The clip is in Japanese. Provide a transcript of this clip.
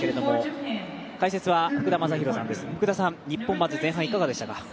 まず前半いかがでしたか？